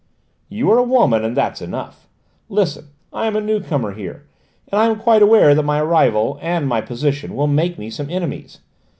"You are a woman, and that's enough. Listen: I am a new comer here, and I am quite aware that my arrival, and my position, will make me some enemies.